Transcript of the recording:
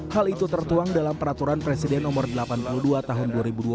hal itu tertuang dalam peraturan presiden no delapan puluh dua tahun dua ribu dua puluh